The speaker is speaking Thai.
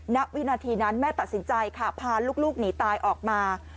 ณวินาทีนั้นแม่ตัดสินใจค่ะพาลูกหนีตายออกมา